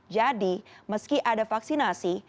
jadi meski ada vaksinasi